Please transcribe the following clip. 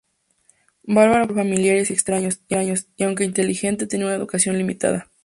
Barbara fue criada por familiares y extraños, y, aunque inteligente, tenía una educación limitada.